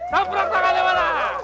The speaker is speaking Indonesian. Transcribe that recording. sampai ketemu di mana